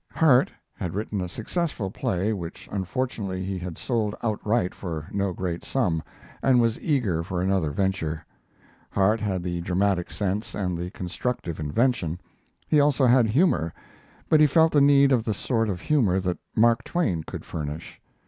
Harte had written a successful play which unfortunately he had sold outright for no great sum, and was eager for another venture. Harte had the dramatic sense and constructive invention. He also had humor, but he felt the need of the sort of humor that Mark Twain could furnish.